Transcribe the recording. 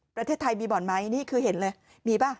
ประเทศไทยมีบ่อนไหมนี่คือเห็นเลยมีป่ะ